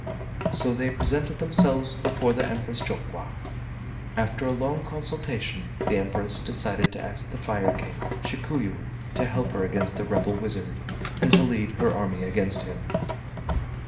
So they presented themselves before the Empress Jokwa. After a long consultation, the Empress decided to ask the Fire King, Shikuyu, to help her against the rebel wizard and to lead her army against him.